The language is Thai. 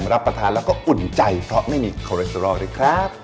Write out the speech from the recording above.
รับประทานแล้วก็อุ่นใจเพราะไม่มีคอเรสเตอรอลด้วยครับ